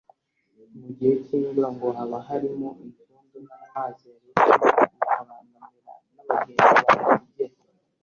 Mu gihe cy’imvura ngo haba harimo ibyondo n’amazi yaretsemo bikabangamira n’abagenzi bahategera